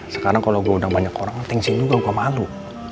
sekarang kalo gue undang banyak orang thanksin juga gue malu